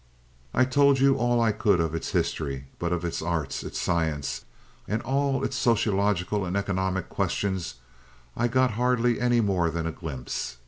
"I told you all I could of its history. But of its arts, its science, and all its sociological and economic questions, I got hardly more than a glimpse.